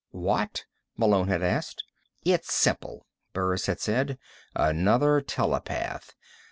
"What?" Malone had asked. "It's simple," Burris had said. "Another telepath.